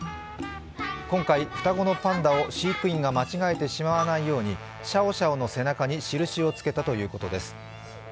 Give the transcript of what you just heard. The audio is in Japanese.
今回、双子のパンダを飼育員が間違えてしまわないようにシャオシャオの背中に印をつけたということです。